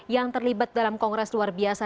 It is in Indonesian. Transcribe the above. yang terlibat dalam kongres luar biasa